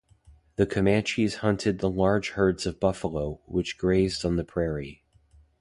The Comanches hunted the large herds of buffalo, which grazed on the prairie.